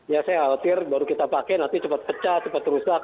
ya saya khawatir baru kita pakai nanti cepat pecah cepat rusak